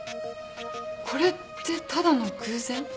これってただの偶然？